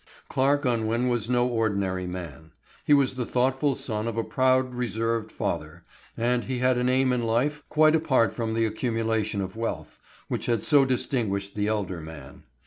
Clarke Unwin was no ordinary man. He was the thoughtful son of a proud reserved father, and he had an aim in life quite apart from the accumulation of wealth, which had so distinguished the elder man.